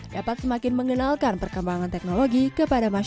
dapat semakin mengenalkan pertanyaan pertanyaan teknologi di industri entertainment